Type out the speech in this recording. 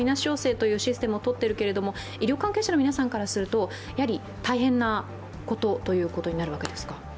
陽性というシステムをとっているけれども医療関係者の皆さんからすると大変なことということになるわけですか。